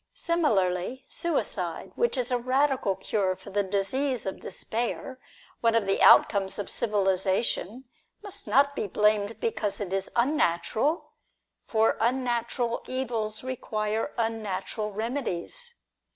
Similarly, suicide, which is a radical cure for the disease of despair, one of the outcomes of civilisa tion, must not be blamed because it is unnatural ; for unnatural evils require unnatural remedies.